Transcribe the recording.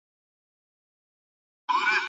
پلار ورته وويل چي اوس يې موزيم ته يوسه.